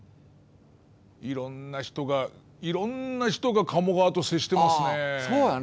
いろんな人がいろんな人が鴨川と接してますね。